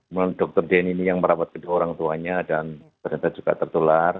kemudian dokter deni ini yang merawat kedua orang tuanya dan ternyata juga tertular